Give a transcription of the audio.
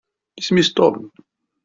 Isem-is Tom.